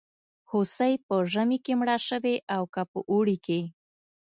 هوسۍ په ژمي کې مړه شوې او که په اوړي کې.